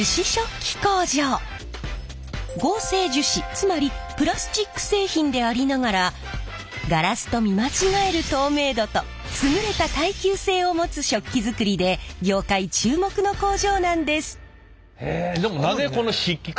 つまりプラスチック製品でありながらガラスと見間違える透明度と優れた耐久性を持つ食器作りで業界注目の工場なんです！